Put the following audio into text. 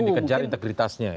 jadi dikejar integritasnya